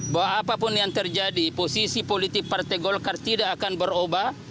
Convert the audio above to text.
bahwa apapun yang terjadi posisi politik partai golkar tidak akan berubah